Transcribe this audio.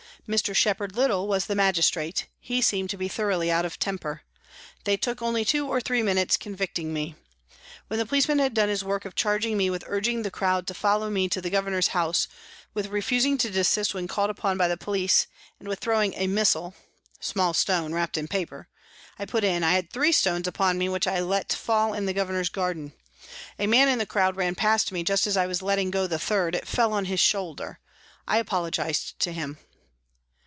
Mr. Shepherd Little was the magistrate ; he seemed to be thoroughly out of temper. They took only two or three minutes convicting me. When the policeman had done his work of charging me with urging the crowd to follow me to the Governor's house, with refusing to desist when called upon by the police, and with throwing a " missile " (small stone wrapped in paper), I put in, " I had three stones upon me which I let fall in the Governor's garden. A man hi the crowd ran past me just as I was letting go the third it fell on his shoulder ; I apologised to him."